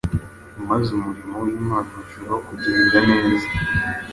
maze umurimo w’Imana urushaho kugenda neza.